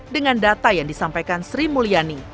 dengan data yang disampaikan sri mulyani